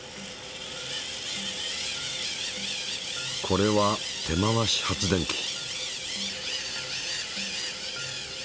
これは手回し発電機。